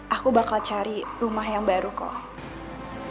aku bakal cari rumah yang baru kok